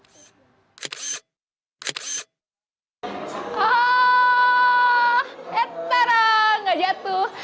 ah etara gak jatuh